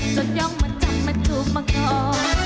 จนย้องมาจับมาจูบมาก่อน